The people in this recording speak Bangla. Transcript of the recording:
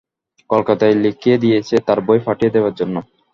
কলকাতায় লিখে দিয়েছি, তার বই পাঠিয়ে দেবার জন্য।